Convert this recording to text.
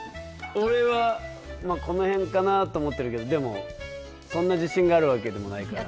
俺はこの辺かなと思ってるけどでも、そんな自信があるわけでもないから。